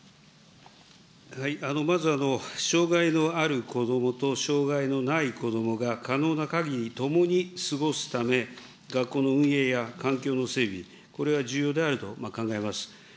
まず、障害のある子どもと障害のない子どもが可能なかぎり共に過ごすため、学校の運営や環境の整備、これは重要であると考えます。